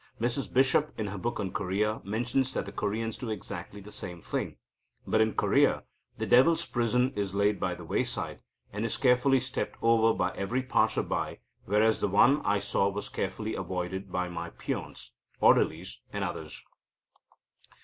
Mrs Bishop, in her book on Korea, mentions that the Koreans do exactly the same thing, but, in Korea, the devil's prison is laid by the wayside, and is carefully stepped over by every passer by, whereas the one I saw was carefully avoided by my peons (orderlies) and others."